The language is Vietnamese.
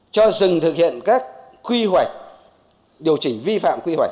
cho dừng thực hiện các quy hoạch điều chỉnh vi phạm quy hoạch